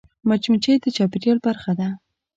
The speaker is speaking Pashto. مچمچۍ د چاپېریال برخه ده